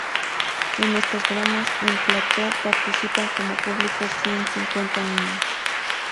En estas bromas en plató, participan como público ciento cincuenta niños.